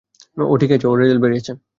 ও ঠিকই আছে, ওর রেজাল্ট বেরিয়েছে।